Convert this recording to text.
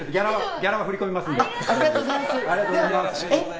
ギャラは振り込みますので。